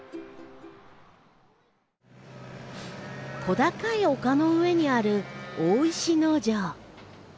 小高い丘の上にある大石農場。